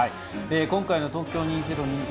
今回の東京２０２０